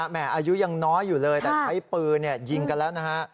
อายุยังน้อยอยู่เลยแต่ใช้ปืนยิงกันแล้วนะฮะ